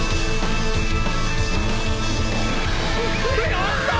やった！